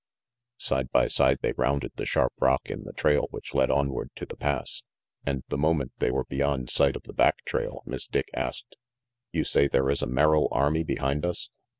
Side by side they rounded the sharp rock in the trail which led onward to the Pass, and the moment they were beyond sight of the back trail, Miss Dick asked: "You say there is a Merrill army behind us?"